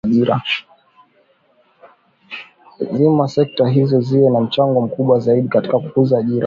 Ni lazima sekta hizo ziwe na mchango mkubwa zaidi katika kukuza ajira